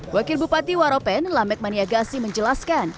wakil bupati waropen lamek maniagasi menjelaskan